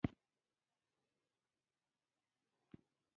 دلته کوټې ته رالم چې د افغان بچو له خدمت اوکم.